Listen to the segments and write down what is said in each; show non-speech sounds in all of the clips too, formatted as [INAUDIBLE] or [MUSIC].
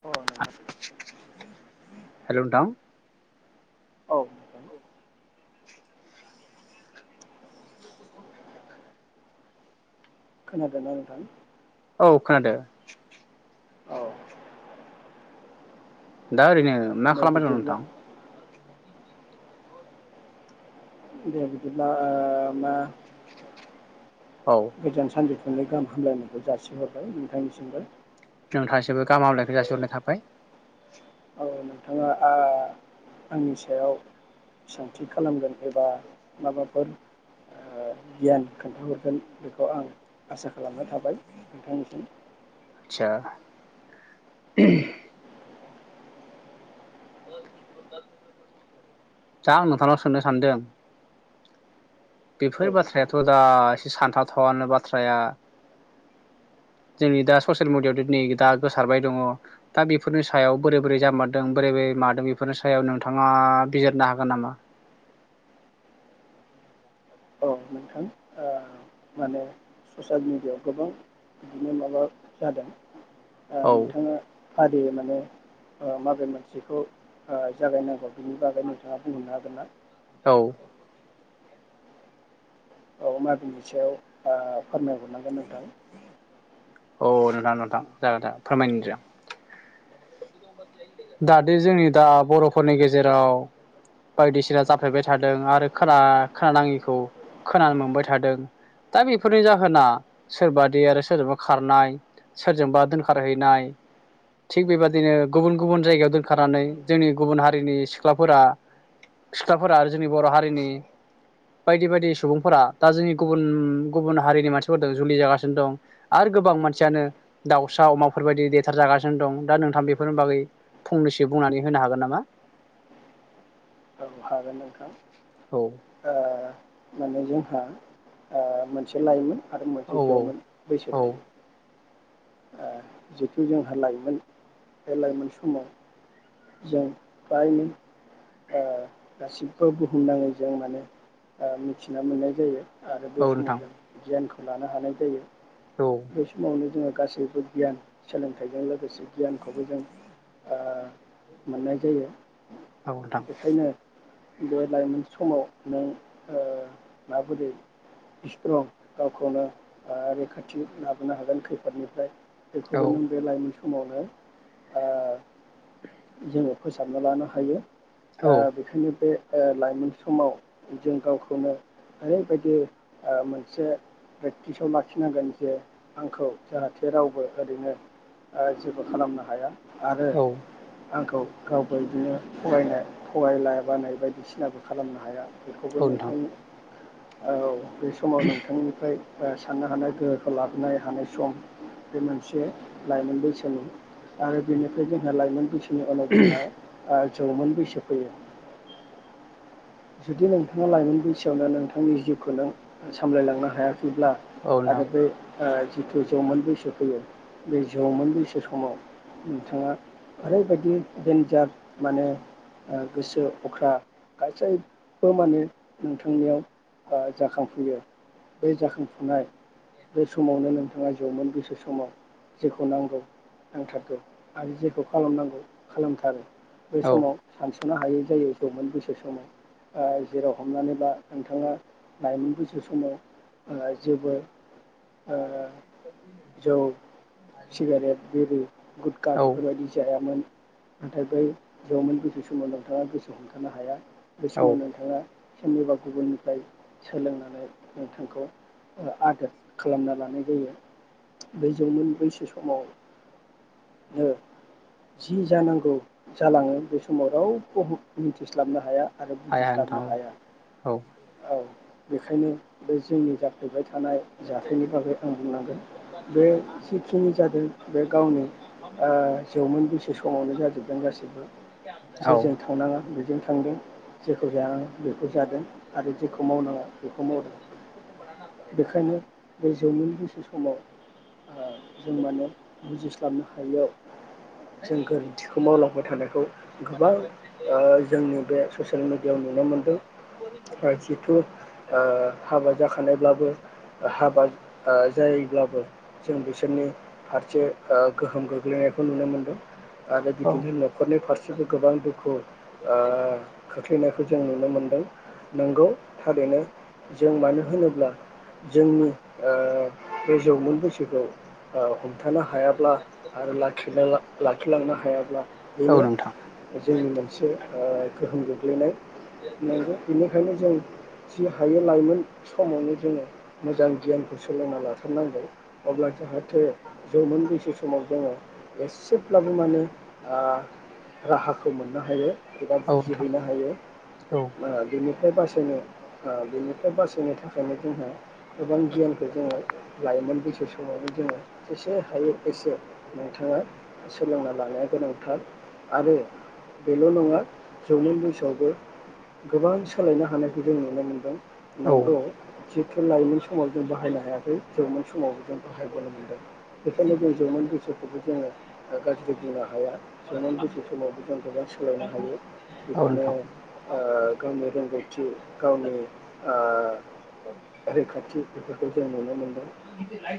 अ नोंथां हेलौ नोंथां। औ। नोंथां खोनादोंना नोंथां? औ खोनादों। औ दा ओरैनो मा दे खालामबाय दं बिदिब्ला नोंथां? दे बिदिब्ला ओ मा औ गोजोन सानजौ गाहाम हामलायनायखौ जासिहरबाय नोंथांनिसिमबो। नोंथांनिसिमबो गाहाम हामग्लायनाय जासिहरनाय थाबाय। औ नोंथाङा ओ आंनि सायाव सोंथि खालामगोन एबा माबाफोर ओ गियान खोन्थाहरगोन बेखौ आं आसा खालामना थाबाय नोंथांनिसिम। आदसा। दा आं नोंथांनाव सोंनो सानदों। औ बेफोर नोंथां बाथ्रायाथ' दा एसे सानथावथावानो बाथ्राया जोंनि दा ससियेल मिडियायाव नै दा गोसारबाय दङ दा बेफोरनि सायाव बोरै बोरै जामारदों बोरै बोरै मादों बेफोरनि सायाव नोंथाङा बिजिरनो हागोन नामा? औ नोंथां ओ माने ससियेल मिडियायाव गोबां बिदिनो माबा जादों। ओ औ नोंथाङा [UNINTELLIGIBLE] माने माबे मोनसेखौ जागायनांगौ बिनि बागै नोंथाङा बुंहरनो हागोन ना? औ। औ मा बिनि सायाव ओ फोरमायहरनांगोन नोंथां? औ नोंथां नोंथां जागोन दे फोरमायनोसै आं। दादि जोंनि दा बर'फोरनि गेजेराव बायदिसिना जाफ्लेबाय थादों आरो खोना खोनानाङिखौ खोनानो मोनबाय थादों दा बेफोरनि जाहोना सोरबादि आरो सोरजोंबा खारनाय सोरजोंबा दोनखारहैनाय थिग बेबादिनो गुबुन गुबुन जायगायाव दोनखानानै जोंनि गुबुन हारिनि सिख्लाफोरा सिख्लाफोरा आरो जोंनि बर' हारिनि बायदि बायदि सुबुंफोरा दा जोंनि गुबुन गुबुन हारिनि मानसिफोरजों जुलि जागासिनो दं आरो गोबां मानसियानो दाउसा अमाफोरबायदि देथारजागासिनो दं दा नोंथां बेफोरनि बागै फंनैसो बुंनानै होनो हागोन नामा? औ हागोन नोंथां। औ माने जोंहा मोनसे लाइमोन आरो औ मोनसे औ जौमोन बैसो औ थायो। जिथु जोंहा लाइमोन बे लाइमोन समाव जों फ्रायनो ओ गासिबो बुहुमनाङै जों माने मिथिना मोननाय जायो। आरो औ बे समाव नोंथां जों गियानखौ लानो हानाय जायो औ बे समावनो जोङो गासैबो गियान सोलोंथाइजों लोगोसे गियानखौबो जों मोननाय जायो बेखायनो [INAUDIBLE] बे लाइमोन समाव नों माबोरै स्ट्रं गावखौनो रैखाथि लाबोनो हागोन खै खैफोदनिफ्राय औ बेखौबो नों बे लाइमोन समावनो जोङो फोसाबना लानो हायो औ बेखायनो बे लाइमोन समाव जों गावखौनो ओरैबायदि मोनसे प्रेक्टिसाव लाखिनांगोन जे आंखौ जाहाथे रावबो ओरैनो जेबो खालामनो हाया आरो औ आंखौ गावबो बिदिनो फरायनाय फरायला बानाय बायदिसिनाबो खालामनो हाया बेखौबो नोंथां औ बे समाव नोंथांनिफ्राय ओ साननो हानाय गोहोखो लाबोनाय हानाय सम बे मोनसे लाइमोन बैसोनि आरो बेनिफ्राय जोंहा लाइमोन नि अनगिहा आ जौमोन बैसो फैयो जुदि नोंथाङा लाइमोन बैसोआवनो नोंथांनि जिउखौ नों सामलायलांनो हाया खैब्ला औ आर नोंथां बेखौ ओ जिथु जौमोन बैसो फैयो बे जौमोन बैसो समाव नोंथाङा ओरैबायदि देन्जार माने ओ गोसो अख्रा गासै बो माने नोंथांनियाव ओ जाखांफुयो, बे जाखांफुनाय बे समावनो नोंथाङा जौमोन गोसो समाव जेखौ नांगौ नांथारगौ आरो जेखौ खालामनांगौ खालामथारो। बै औ समाव सान सनो हायै जायो जौमोन बैसो समाव ओ जेराव हमनानै ला नोंथाङा लायमोन बैसो समाव ओ जेबो ओ जौ सिगारेट, बिरि, गुदका औ बेफोरबायदि जायामोन नाथाय बै जौमोन बैसो समाव नोंथाङा गोसो हमथानो हाया औ समाव नोंथाङा सोरनिबा गुबुननिफ्राय सोलोंनानै नोंथांखौ ओ आदोर खालामना लानाय जायो। बै जौमोन बैसो समावनो जि जानांगौ जालाङो बे समाव रावबो हम मिथिस्लाबनो हाया आरो हाया बुजिस्लाबनो नोंथां हाया औ औ बेखायनो बे जोंनि जाफ्लेबाय थानाय जाथायनि बागै आं बुंनांगोन, बे जिखिनि जादों बे गावनि ओ जौमोन बैसो समावनो जाजोबदों गासिबो, औ जेजों थांनाङा बेजों थांदों जेखौ जानाङा बेखौ जादों आरो जेखौ मावनाङा बेखौ मावदों, बेखायनो बे जौमोन बैसो समाव ओ जों माने बुजिस्लाबनो हायैयाव जों गोरोन्थिखौ मावलांबाय थानायखौ गोबां ओ जोंनि बे सियेल मिडियाव नुनो मोनदों ओ जिथु ओ हाबा जाखानायब्लाबो हाबा ओ जायोब्लाबो जों बिसोरनि फारसे ओ गोहोम गोग्लैनायखौ नुनो मोन्दों आरो औ बिदिनो नखरनि फारसेबो गोबां दुखु ओ खोख्लैनायखौ जों नुनो मोनदों, नोंगौ थारैनो जों मानो होनोब्ला जोंनि ओ बे जौमोन बैसोखौ ओ हमथानो हाया आरो लाखिलांनो हायाब्ला औ बेनो नोंथां जोंनि मोनसे गोहोम गोग्लै गेलेनाय नांगौ बेनिखायनो जों जि हायो लाइमोन समावनो जोङो मोजां गियानखौ सोलोंना लाथारनांगौ अब्ला जाहाथे जौमोन बैसो समाव जोङो एसेब्लाबो माने राहाखौ मोननो हायो एबा औ बुजिायो नोंथां हैनो हायो औ बेनिफ्राय बा बो बेनिफ्राय बासायनो थाखायनो जोंहा गोबां गियानखौ जोङो लायोमोन बैसो समावनो जोङो जेसे हायो एसे नोंथाङा सोलोंना लानाया गोनांथार आरो बेल' नङा जौमोन बैसोआवबो गोबां सोलायनो हानायखौ जों नुनो मोन्दों औ नंगौ जिथु लाइमोन समाव जों बाहायनो हायाखै जौमोन समावबो जों बाहायबोनो मोनदों बेखायनो जों जौमोन बैसोखौबो जोङो गाज्रि बुंनो हाया जौमोन बैसो समावबो जों गोबां सोलायनो हायो औ बिदिनो नोंथां गावनि रोंगौथि गावनि रैखाथि बेफोरखौ जों नुनो मोनदों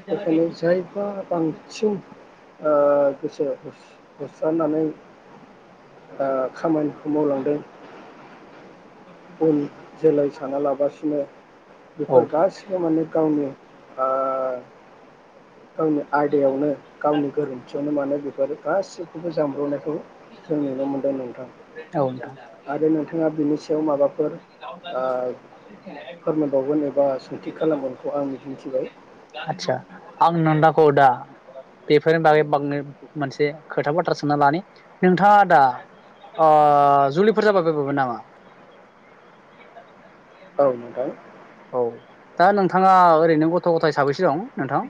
बेखायनो जायफा आं सिम गोसो होसारनानै खामानि सोमावलांदों उन जोलै साना लाबासिनो बेफोर औ गासिबो माने गावनि गावनि आयदायावनो गावनि गोरोन्थियावनो मानो बेफोर गासिखौबो जामब्र'नायखौ जों नुनो मोनदों नोंथां औ नोंथां आरो नोंथाङा बेनि खायाव माबाफोर फोरमायबावगोन एबा सोंथि खालामगोनखौ आं मिजिंथिबाय आचसा [UNINTELLIGIBLE] औ दा बेफोरनि बागै मोनसे खोथा बाथ्रा सोंना लानो नोंथाङा दा जुलिफोर जाबाय बबो नामा औ नोंथां औ दा नोंथाङा ओरैनो गथ' गथाइ साबैसो दं नोंथां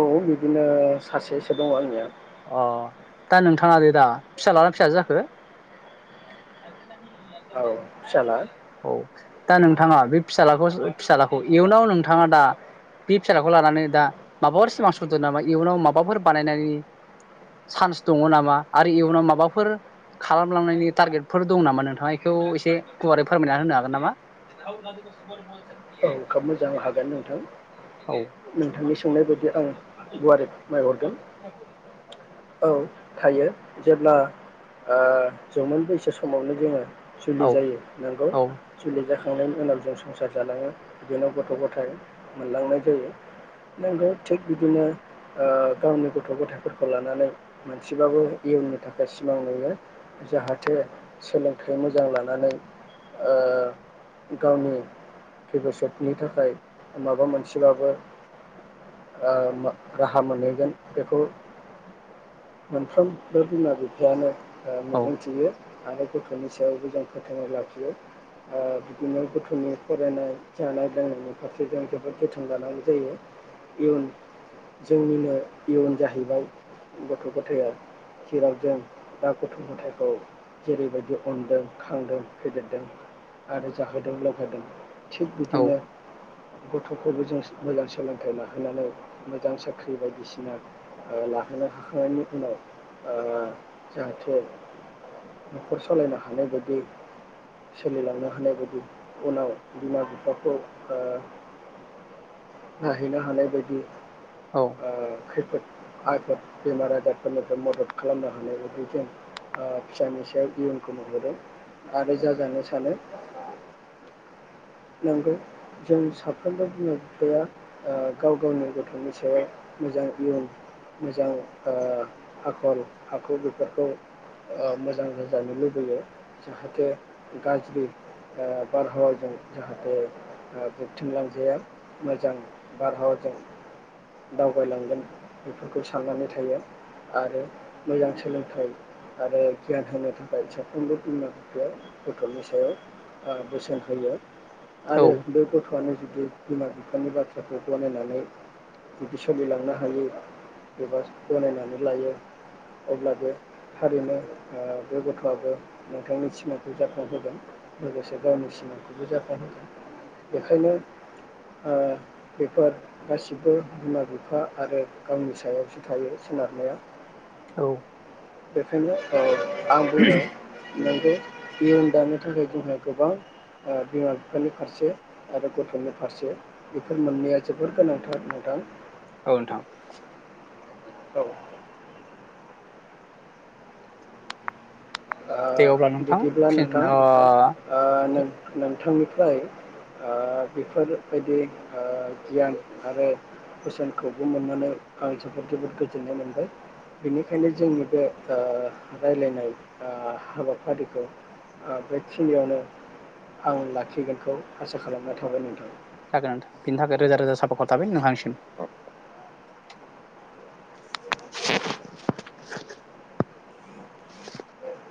औ बिदिनो सासेसो दङ आंनिया अ दा नोंथाङा दे दा फिस्लाना फिसाजो जाखो? औ फिसाला औ दा नोंथाङा बे फिसालाखौ फिसालाखौ इयुनाव नोंथाङा दा बे फिसालाखौ लानानै दा माबाफोर सिमां सुदो नामा इयुनाव माबाफोर बानायनायनि चान्स दङ नामा आरो इयुनाव माबाफोर खालामलांनायनि टारगेटफोर दं नामा नोंथां बेखौ एसे गुवारै फोरमायना होनो हागोन नामा? खाब मोजां हागोन नोंथां नोंथांनि सोंनाय बायदि आं गुवारै फोरमायहरगोन। औ थायो जेब्ला ओ जौमोन बैसो समावनो जोङो औ जुलि जायो नोंगौ जुलि जाख खांनायनि उनाव जों संसार जालाङो। बिदिनो गथ' गथायाइ मोनलांनाय जायो नंगौ थिग बिदिनो गावनि गथ' गथायाइफोरखौ लानानै मोनसेबाबो इयुननि थाखाय सिमां नुयो जाहाथे सोलोंथाइ मोजां लानानै ओ गावनि फबिसतनि थाखाय माबा मोनसेबाबो ओ राहा मोनहैगोनखौ मोनफ्रोमबो बिमा बिफायानो ओ औ मिजिं थियो। आरो गथ'नि सायावबो जों फोथांना लाखियो ओ बिदिनो गथ'नि फरायनाय जानाय लोंनायनि फारसे जों जोबोद जोथोन जानांगौ जायो इयुन जोंनिनो इयुन जाहैबाय गथ' गथाया जेराव जों दा गथ' गथायखौ जेरैबायदि अनदों खांदों फेदेरदों आरो जाहोदों लोंहोदों। थिग औ बिदिनो गथ'खौबो जों मोजां सोलोंथाइ लाहोनानै मोजां साख्रि बायदिसिना ओ लाहोनो हाखांनायनि उनाव ओ जाहाथे न'खर सालायनो हानाय बायदि सोलिलांनो हानाय बायदि उनाव बिमा बिफाखौ ओ नाहैनो हानाय बायदि ओ खैफोद आबोद बेमार आजारफोरनिफ्राय मदद खालामनो हानाय बायदि जों फिसानि सायाव इयुनखौ नुबोदों आरो जाजानो सानो नंगौ जों साफ्रोमबो बिमा बिफाया ओ गाव गावनि गथ'नि सायाव मोजां इयुन मोजां ओ आखल आखु बेफोरखौ मोजां होजानो लुबैयो जाहाथे गाज्रि ओ बारहावा जों जाहाथे बोबथिं लांजाया मोजां बारहावाजों दावबायलांगोन बेफोरखौ साननानै थायो आरो मोजां सोलोंथाइ आरो गियान होनो थाखाय साफ्रोमबो बिमा बिफाया गथ'नि सायाव बोसोन होयो। औ आरो बे गथ'आनो ज जुदि बिमा बिफानि बाथ्राखौ गनायनानै जुदि सोलिलांनो हायो एबा गनायनानै लायो अब्ला बे थारैनो बे ओ गथ'आबो नोंथांनि सिमांखौ जाफुंहोगोन लोगोसे गावनि सिमांखौ बो जाफुंहोगोन बेखायनो बेफोर गासिबो बिमा बिफा आरो गावनि सायावसो थायो सोनारनाया। औ बेखायनो औ आं बुङो नंगौ नियम दानो थाखाय जोंहा गोबां आ बिमा बिफानि फारसे आरो गथ'नि फारसे बेफोर मोननैया जोबोर गोनांथार नोंथां। औ नोंथां। औ दे अब्ला ओ नोंथां बिदिब्ला फिन नोंथां ओ नों-नों बिथांनिफ्राय ओ बेफोरबायदि ओ गियान आरो कुइसनखौबो मोननानै आं जोबोद जोबोद गोजोननाय मोनबाय बेनिखायनो जोंनि बे ओ राय्लायनाय आ हाबाफारिखौ ओ बेखिनियावनो आं लाखिगोनखौ आसा खालामनाय थाबाय नोंथां। जागोनां बिनि थाखाय रोजा रोजा साफाखर थाबाय नोंथांसिम।